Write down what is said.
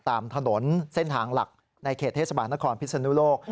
ตามถนนเส้นทางหลักในเขตเทศบาลนครพิศนุโลก